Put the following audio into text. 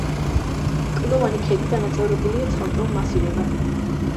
კლდოვანი ქედი დანაწევრებულია ცალკეულ მასივებად.